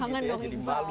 jangan dong iqbal